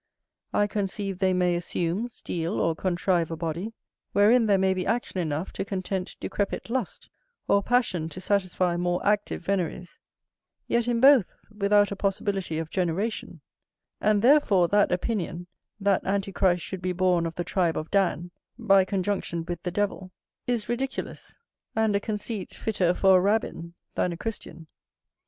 I conceive they may assume, steal, or contrive a body, wherein there may be action enough to content decrepit lust, or passion to satisfy more active veneries; yet, in both, without a possibility of generation: and therefore that opinion, that Antichrist should be born of the tribe of Dan, by conjunction with the devil, is ridiculous, and a conceit fitter for a rabbin than a Christian.